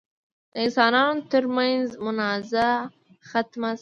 د انسانانو تر منځ منازعه ختمه شي.